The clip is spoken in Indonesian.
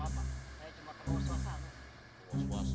saya cuma mau suasana